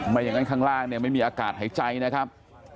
อย่างนั้นข้างล่างเนี่ยไม่มีอากาศหายใจนะครับ